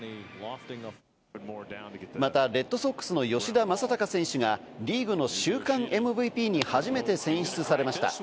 またレッドソックスの吉田正尚選手がリーグの週間ＭＶＰに初めて選出されました。